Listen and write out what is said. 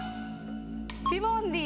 ティモンディ